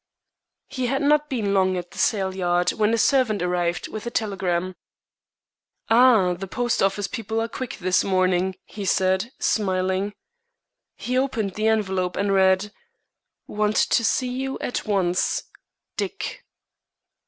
He had not been long at the sale yard when a servant arrived with a telegram. "Ah, the post office people are quick this morning," he said, smiling. He opened the envelope and read: "Want to see you at once. DICK."